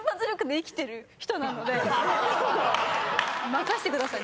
任せてください。